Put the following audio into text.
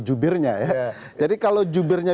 jubirnya ya jadi kalau jubirnya